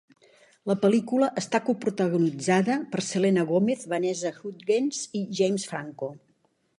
La pel·lícula està coprotagonitzada per Selena Gomez, Vanessa Hudgens i James Franco.